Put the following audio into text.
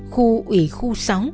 khu ủy khu sáu